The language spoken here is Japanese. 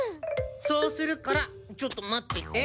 そうするからちょっと待ってて。